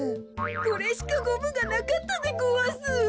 これしかゴムがなかったでごわす。